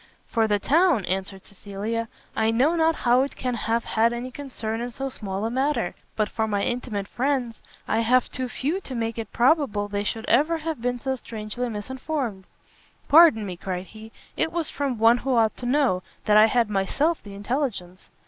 "For the town," answered Cecilia, "I know not how it can have had any concern in so small a matter; but for my intimate friends, I have too few to make it probable they should ever have been so strangely misinformed." "Pardon me," cried he, "it was from one who ought to know, that I had myself the intelligence."